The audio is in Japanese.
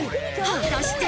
果たして。